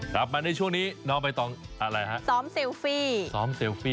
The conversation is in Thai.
กลับมาในช่วงนี้น้องใบตองอะไรฮะซ้อมเซลฟี่ซ้อมเซลฟี่